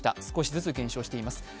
少しずつ減少しています。